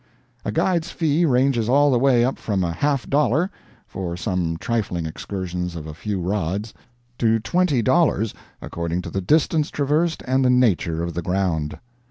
A guide's fee ranges all the way up from a half dollar (for some trifling excursion of a few rods) to twenty dollars, according to the distance traversed and the nature of the ground.